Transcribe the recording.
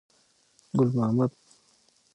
ګل محمد.